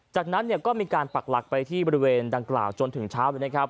จากนั้นก็มีการปักหลักไปที่บริเวณดังกล่าวจนถึงเช้าเลยนะครับ